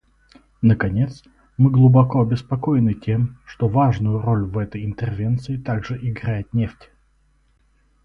Наконец, мы глубоко обеспокоены тем, что важную роль в этой интервенции также играет нефть.